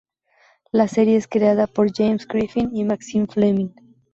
La serie es creada por James Griffin y Maxine Fleming.